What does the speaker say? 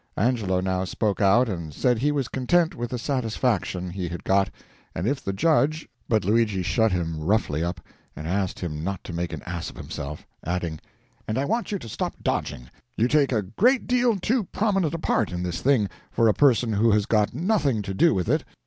Angelo now spoke out and said he was content with the satisfaction he had got, and if the judge but Luigi shut him roughly up, and asked him not to make an ass of himself; adding: "And I want you to stop dodging. You take a great deal too prominent a part in this thing for a person who has got nothing to do with it.